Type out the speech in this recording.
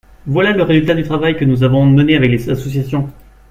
Voilà le résultat du travail que nous avons mené avec les associations.